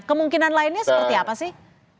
kemungkinan lainnya seperti apa sih